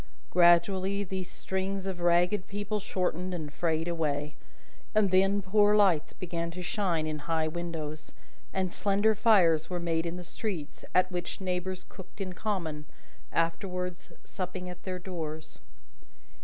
Gradually, these strings of ragged people shortened and frayed away; and then poor lights began to shine in high windows, and slender fires were made in the streets, at which neighbours cooked in common, afterwards supping at their doors.